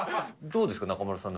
どうですか？